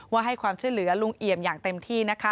ว่าให้ความเชื่อเหลือลุงเอ๋ยมอย่างเต็มที่